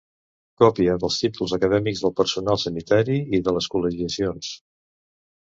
Còpia dels títols acadèmics del personal sanitari i de les col·legiacions.